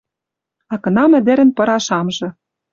А кынам ӹдӹрӹн пыра шамжы